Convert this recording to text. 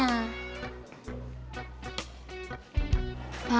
mak gue doa tuh kan papa imamnya